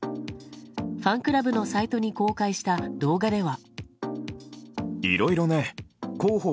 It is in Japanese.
ファンクラブのサイトに公開した動画では。